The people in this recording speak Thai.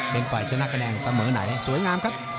เป็นฝ่ายชนะคะแนนเสมอไหนสวยงามครับ